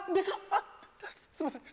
あっすいません。